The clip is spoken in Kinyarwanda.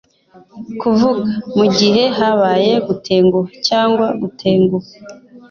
Kuva mugihe habaye gutenguha cyangwa gutenguha